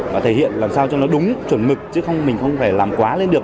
và thể hiện làm sao cho nó đúng chuẩn mực chứ không mình không phải làm quá lên được